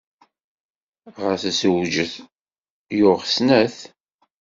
Ɣas zewǧet, yuɣ snat.